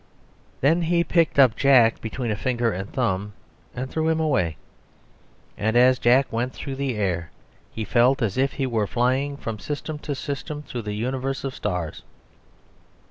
Then he picked up Jack between a big finger and thumb and threw him away; and as Jack went through the air he felt as if he were flying from system to system through the universe of stars.